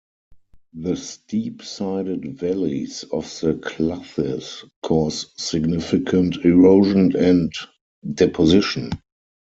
The steep-sided valleys of the cloughs cause significant erosion and deposition.